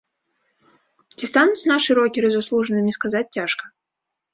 Ці стануць нашы рокеры заслужанымі, сказаць цяжка.